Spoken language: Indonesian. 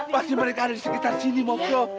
pasti mereka ada di sekitar sini mogok